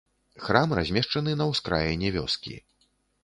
Храм размешчаны на ўскраіне вёскі.